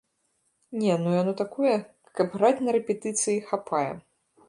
Не, ну яно такое, каб граць на рэпетыцыі, хапае.